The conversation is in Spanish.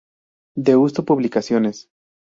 Deusto Publicaciones.